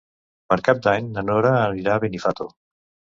Per Cap d'Any na Nora anirà a Benifato.